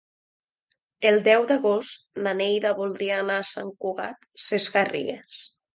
El deu d'agost na Neida voldria anar a Sant Cugat Sesgarrigues.